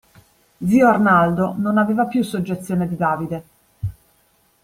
Zio Arnaldo non aveva più soggezione di Davide.